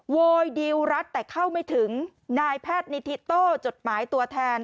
โวยดิวรัฐแต่เข้าไม่ถึงนายแพทย์นิทิโต้จดหมายตัวแทน